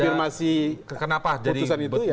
konfirmasi keputusan itu ya